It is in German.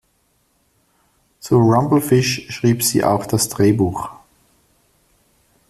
Zu "Rumble Fish" schrieb sie auch das Drehbuch.